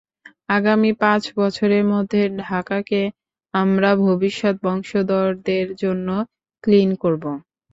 আগামী পাঁচ বছরের মধ্যে ঢাকাকে আমরা ভবিষ্যৎ বংশধরদের জন্য ক্লিন করব।